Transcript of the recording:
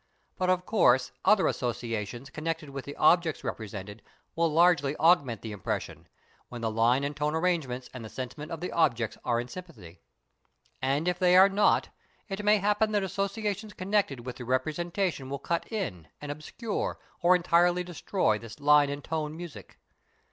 But of course other associations connected with the objects represented will largely augment the impression, when the line and tone arrangements and the sentiment of the object are in sympathy. And if they are not, it may happen that associations connected with the representation will cut in and obscure or entirely destroy this line and tone music.